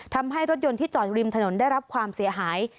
ทำให้รถยนต์ที่จอดอยู่ริมถนนได้รับความเสียหาย